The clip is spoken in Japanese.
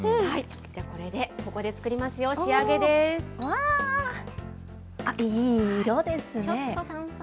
これで、ここで作りますよ、仕上いい色ですね。